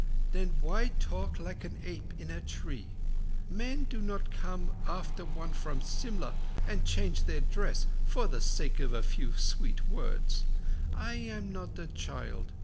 "Then why talk like an ape in a tree? Men do not come after one from Simla and change their dress, for the sake of a few sweet words. I am not a child.